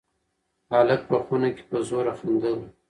هلک په خونه کې په زوره خندل.